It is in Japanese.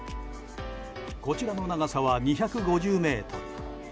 こちらの長さは２５０ｍ。